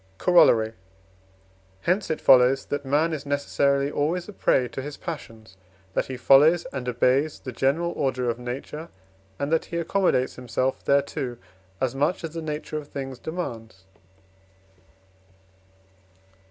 Corollary. Hence it follows, that man is necessarily always a prey to his passions, that he follows and obeys the general order of nature, and that he accommodates himself thereto, as much as the nature of things demands.